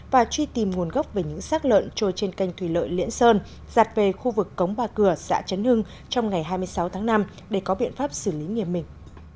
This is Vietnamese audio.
và truy tìm nguồn gốc về những xác lợn trôi trên canh thủy lợi liễn sơn giặt về khu vực cống ba cửa xã trấn hưng trong ngày hai mươi sáu tháng năm để có biện pháp xử lý nghiêm minh